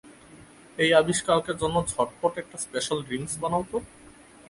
এই আবিষ্কারকের জন্য ঝটপট একটা স্পেশাল ড্রিংক্স বানাও তো!